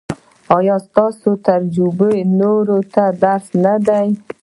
ایا ستاسو تجربه نورو ته درس نه دی؟